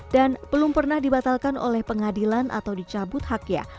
dan belum pernah dibatalkan oleh pengadilan atau dicabut haknya